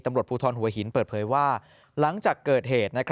ตำรวจภูทรหัวหินเปิดเผยว่าหลังจากเกิดเหตุ